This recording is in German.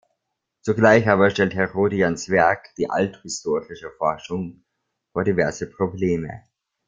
Zugleich aber stellt Herodians Werk die althistorische Forschung vor diverse Probleme.